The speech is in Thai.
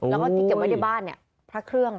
แล้วก็ที่จะไม่ได้บ้านเนี่ยพระเครื่อง